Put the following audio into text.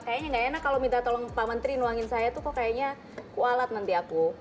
kayanya gak enak kalau minta tolong pak mentri tuangin saya itu kok kayaknya kualat nanti aku